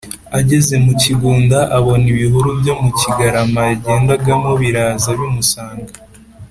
ageze mu kigunda, abona ibihuru byo mu kigarama yagendagamo biraza bimusanga,